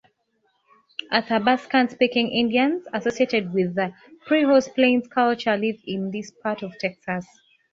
Athabascan-speaking Indians associated with the prehorse Plains culture live in this part of Texas.